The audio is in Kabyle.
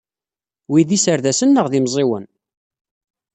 Wi d iserdasen neɣ d imẓiwen?